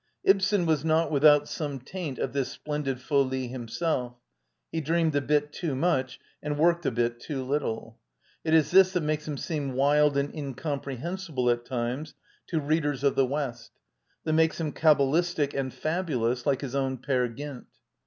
Ibsen was not without some taint of this splendid folie himself: he dreamed a bit too much and worked a bit too little. It is this that makes him seem wild and incomprehensible, at times, to readers of the west; that makes him cabalistic and fabulous, like his own Peer Gynt.